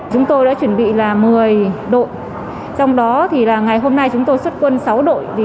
chúng tôi đã chuẩn bị là một mươi đội trong đó ngày hôm nay chúng tôi xuất quân sáu đội